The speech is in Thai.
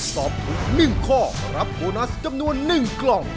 ตอบถูก๑ข้อรับโบนัสจำนวน๑กล่อง